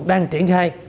đang triển khai